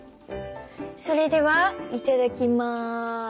それではいただきま。